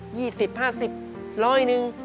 สิบห้าสิบร้อยหนึ่ง